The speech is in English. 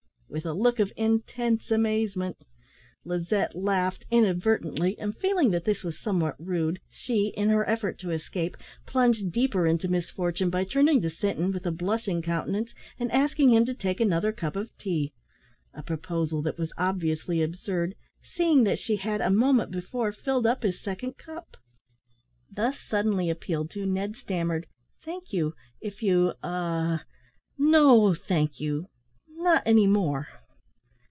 with a look of intense amazement. Lizette laughed inadvertently, and, feeling that this was somewhat rude, she, in her effort to escape, plunged deeper into misfortune by turning to Sinton, with a blushing countenance, and asking him to take another cup of tea a proposal that was obviously absurd, seeing that she had a moment before filled up his second cup. Thus suddenly appealed to, Ned stammered, "Thank you if you ah! no, thank you, not any more."